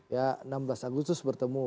ya enam belas agustus bertemu